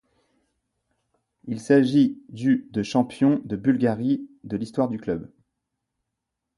Il s'agit du de champion de Bulgarie de l'histoire du club.